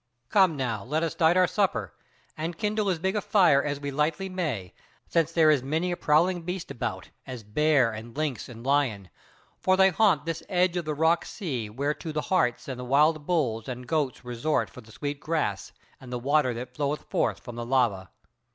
Come now, let us dight our supper, and kindle as big a fire as we lightly may; since there is many a prowling beast about, as bear and lynx and lion; for they haunt this edge of the rock sea whereto the harts and the wild bulls and the goats resort for the sweet grass, and the water that floweth forth from the lava."